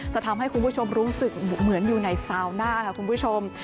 ทำให้คุณผู้ชมรู้สึกเหมือนอยู่ในซาวหน้าค่ะคุณผู้ชม